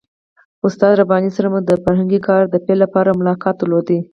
استاد رباني سره مو د فرهنګي کار د پیل لپاره ملاقات درلود.